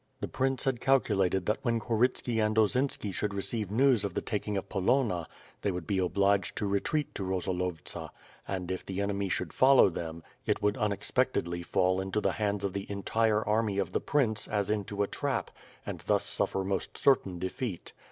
The prince had calculated that when Korytski and Osinski should receive news of the taking of Polonna, they would be obliged to retreat to Rosolovtsa and, if the enemy should fol low them, it would unexpectedly fall into the hands of the entire army of the prince, as into a trap, and thus suffer most ceriain defeat.